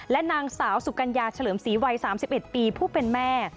และนางสาวสุกัญญาเฉลิมศรีวัย๓๑ปีผู้เป็นแม่